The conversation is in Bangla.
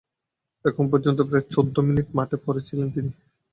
এখন পর্যন্ত প্রায় চৌদ্দ মিনিট মাঠে পড়ে ছিলেন তিনি।